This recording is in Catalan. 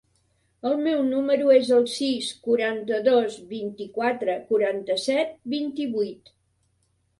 El meu número es el sis, quaranta-dos, vint-i-quatre, quaranta-set, vint-i-vuit.